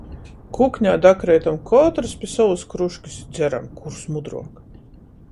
Kuknē dakreitam kotrys pi sovys kružkys i dzeram, kurs mudruok.